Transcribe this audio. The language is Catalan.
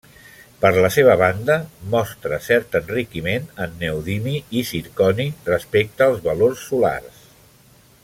Per la seva banda, mostra cert enriquiment en neodimi i zirconi respecte als valors solars.